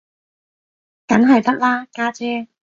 梗係得啦，家姐